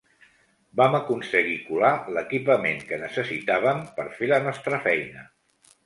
Vam aconseguir colar l'equipament que necessitàvem per fer la nostra feina.